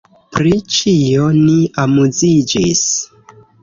Pri ĉio ni amuziĝis.